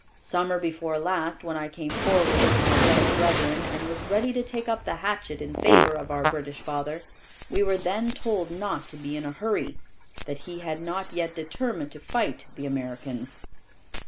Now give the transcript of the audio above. Summer before last, when I came forward with my red brethren and was ready to take up the hatchet in favour of our British father, we were then told not to be in a hurry that he had not yet determined to fight the Americans.